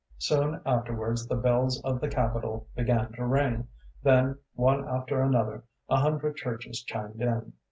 Soon afterwards the bells of the Capitol began to ring; then, one after another, a hundred churches chimed in.